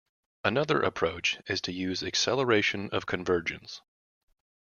Another approach is to use acceleration of convergence.